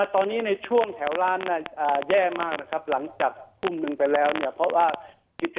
ตอนนี้ในช่วงแถวร้านแย่มากนะครับหลังจากทุ่มหนึ่งไปแล้วเนี่ยเพราะว่า